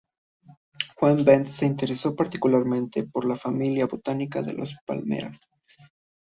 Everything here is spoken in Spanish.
Juan Báez se interesó particularmente por la familia botánica de las palmeras.